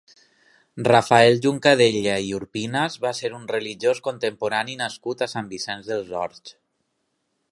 Rafael Juncadella i Urpinas va ser un religiós contemporani nascut a Sant Vicenç dels Horts.